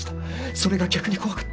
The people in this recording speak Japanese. それが逆に怖かった。